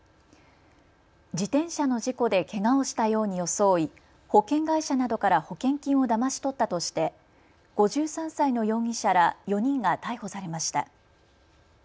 自転車の事故でけがをしたように装い保険会社などから保険金をだまし取ったとして５３歳の容疑者ら４人が逮捕されました。